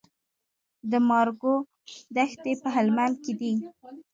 د مارګو دښتې په هلمند کې دي